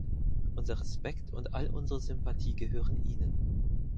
Unser Respekt und all unsere Sympathie gehören Ihnen.